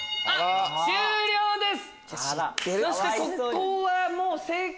終了です！